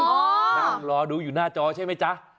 นั่งรอดูอยู่หน้าจอใช่ไหมจ๊ะ